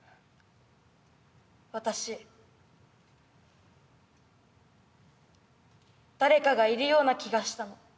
私誰かがいるような気がしたの。